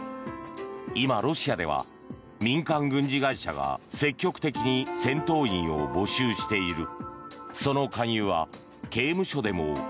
今、ロシアでは民間軍事会社が積極的に戦闘員を募集している。